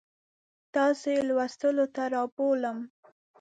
تاسو یې لوستو ته رابولم.